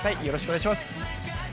よろしくお願いします。